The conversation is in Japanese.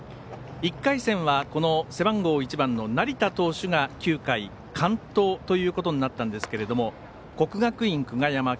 １回戦は、背番号１番の成田投手が９回完投ということになったんですけども国学院久我山